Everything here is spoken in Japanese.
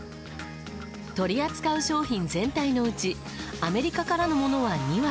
取り扱う商品全体のうちアメリカからのものは２割。